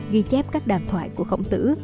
ghi chép các đàm thoại của khổng tử